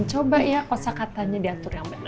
coba ya kosa katanya diatur yang baik